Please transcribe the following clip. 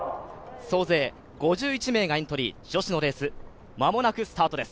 総勢５１名がエントリー女子のレース間もなくスタートです。